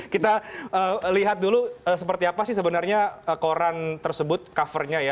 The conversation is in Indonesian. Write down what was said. kita lihat dulu seperti apa sih sebenarnya koran tersebut covernya ya